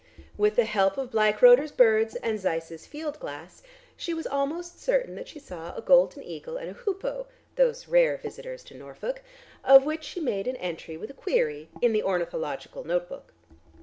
With the help of Bleichroder's "Birds," and Zeiss's field glass she was almost certain that she saw a golden eagle and a hoopoe (those rare visitors to Norfolk), of which she made an entry with a query in the ornithological note book.